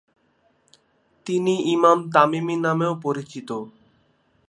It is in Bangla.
তিনি ইমাম তামিমি নামেও পরিচিত ।